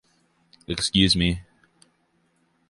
Excuse-me...